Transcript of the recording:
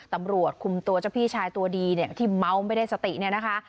ตำรวจคุมตัวเจ้าพี่ชายตัวดีเนี่ยที่เมาไม่ได้สติเนี่ยนะคะ